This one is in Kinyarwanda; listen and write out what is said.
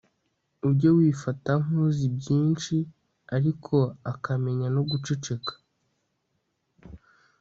ujye wifata nk'uzi byinshi, ariko akamenya no guceceka